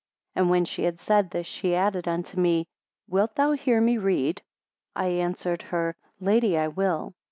25 And when she had said this, she added unto me; Wilt thou hear me read? I answered her, Lady, I will.